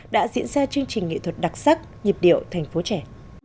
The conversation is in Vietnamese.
đã diễn ra chương trình nghệ thuật đặc sắc nhịp điệu thành phố trẻ